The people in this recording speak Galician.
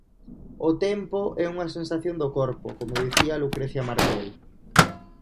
O tempo é unha sensación do corpo, como dicía Lucrecia Martel.